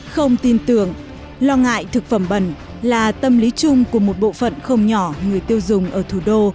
không tin tưởng lo ngại thực phẩm bẩn là tâm lý chung của một bộ phận không nhỏ người tiêu dùng ở thủ đô